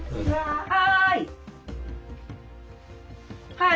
はい。